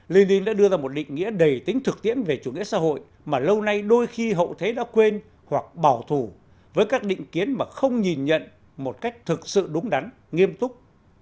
lenin đã đưa ra một định nghĩa đầy tính thực tiễn về chủ nghĩa xã hội mà lâu nay đôi khi hậu thế đã quên hoặc bảo thủ với các định kiến mà không nhìn nhận một cách thực sự đúng đắn nghiêm túc